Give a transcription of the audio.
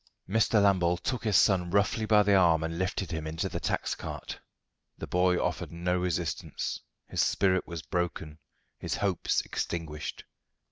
Mr. Lambole took his son roughly by the arm and lifted him into the tax cart. The boy offered no resistance. His spirit was broken, his hopes extinguished.